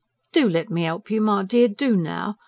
"DO let me 'elp you, my dear, do, now!